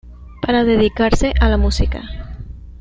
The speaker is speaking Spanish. Para dedicarse a la música.